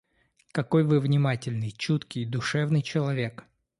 Какой Вы внимательный, чуткий, душевный человек!